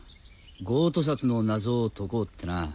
ゴート札の謎を解こうってな。